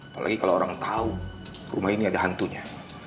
apalagi kalau orang tahu rumah ini ada hantunya